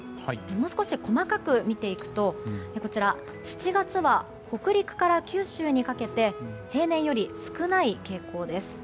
もう少し細かく見てみると７月は、北陸から九州にかけて平年より少ない傾向です。